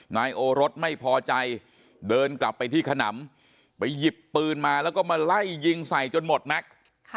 นายโอรสไม่พอใจเดินกลับไปที่ขนำไปหยิบปืนมาแล้วก็มาไล่ยิงใส่จนหมดแม็กซ์